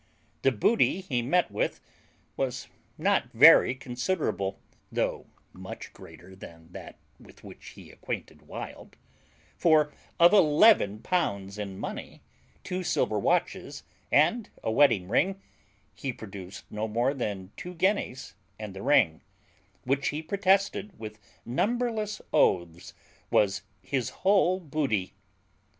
The booty he met with was not very considerable, though much greater than that with which he acquainted Wild; for of eleven pounds in money, two silver watches, and a wedding ring, he produced no more than two guineas and the ring, which he protested with numberless oaths was his whole booty.